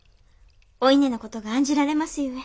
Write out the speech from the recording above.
お稲の事が案じられますゆえ。